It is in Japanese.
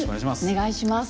お願いします。